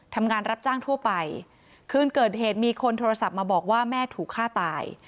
รับจ้างทั่วไปคืนเกิดเหตุมีคนโทรศัพท์มาบอกว่าแม่ถูกฆ่าตาย